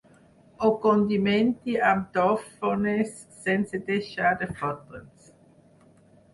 Ho condimenti amb tòfones sense deixar de fotre-se'n.